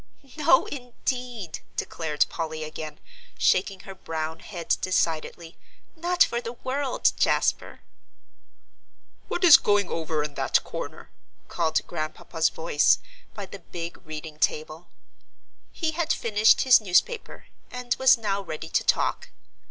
"No, indeed!" declared Polly again, shaking her brown head decidedly, "not for the world, Jasper." "What is going over in that corner?" called Grandpapa's voice, by the big reading table. He had finished his newspaper, and was now ready to talk.